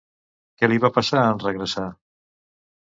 Què li va passar en regressar?